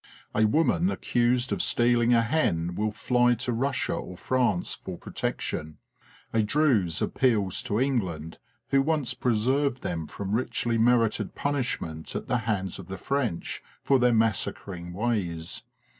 A woman accused of stealing a hen will fly to Russia or France for pro tection. A Druse appeals to England, who once pre served them from richly merited punishment at the hands of the French for their massacring ways.